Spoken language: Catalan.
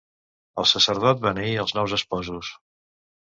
El sacerdot beneí els nous esposos.